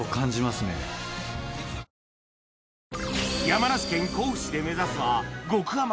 山梨県甲府市で目指すは極甘